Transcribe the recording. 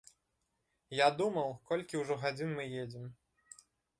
Я думаў, колькі ўжо гадзін мы едзем.